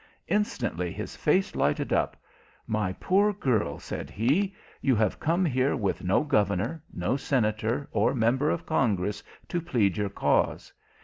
Instantly his face lighted up. "My poor girl," said he, "you have come here with no governor, or senator, or member of Congress, to plead your cause.